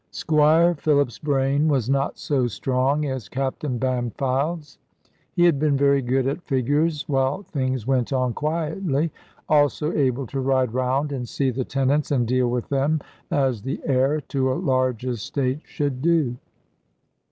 Squire Philip's brain was not so strong as Captain Bampfylde's. He had been very good at figures, while things went on quietly; also able to ride round and see the tenants, and deal with them, as the heir to a large estate should do.